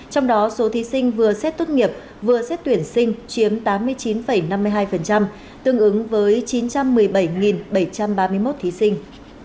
trong đó số thí sinh vừa xét tốt nghiệp vừa xét tuyển sinh chiếm tám mươi chín năm mươi hai tương ứng với chín trăm một mươi bảy bảy trăm ba mươi một thí sinh